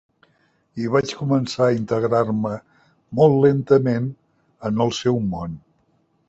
I vaig començar a integrar-me, molt lentament, en el seu món.